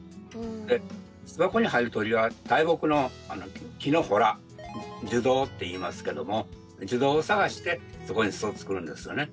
巣箱に入る鳥は大木の木の洞樹洞っていいますけども樹洞を探してそこに巣を作るんですよね。